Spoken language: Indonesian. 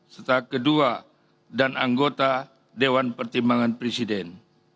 serta kedua dan anggota dewan pertimbangan presiden